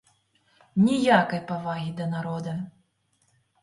Ніякай павагі да народа!